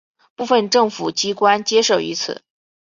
部分政府机关皆设于此。